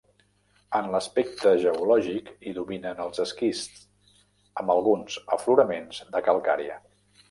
En l'aspecte geològic hi dominen els esquists amb alguns afloraments de calcària.